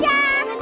iya kak timun mas